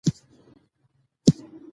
قانون د اداري عدالت د تامین ضمانت دی.